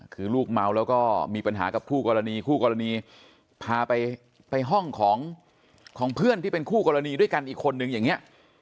คือลูกเมาแล้วก็มีปัญหากับคู่กรณีคู่กรณีพาไปห้องของเพื่อนที่เป็นคู่กรณีด้วยกันอีกคนนึงอย่างนี้